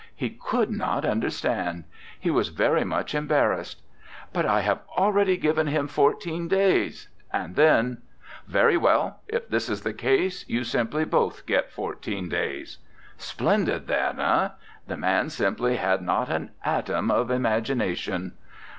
He could not understand! He was very much embarrassed. 'But I have al ready given him fourteen days. ../ and then :' Very well ! If this is the case, you simply both get fourteen days/ Splendid, that, eh? The man simply had not an atom of imagination."